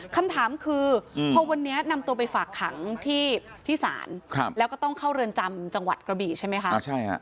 คำถามคือพอวันนี้นำตัวไปฝากขังที่ศาลแล้วก็ต้องเข้าเรือนจำจังหวัดกระบี่ใช่ไหมคะ